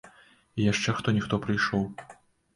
І яшчэ хто-ніхто прыйшоў.